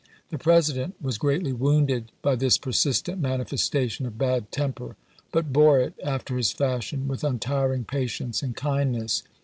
The President was greatly wounded by this persistent manifestation of bad temper, but bore it after his fashion with untiring patiepce and kindness.